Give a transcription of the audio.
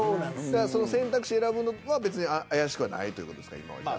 だからその選択肢選ぶのは別に怪しくはないという事ですか今は。